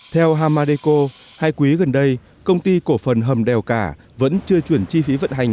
theo hamadeco hai quý gần đây công ty cổ phần hầm đèo cả vẫn chưa chuyển chi phí vận hành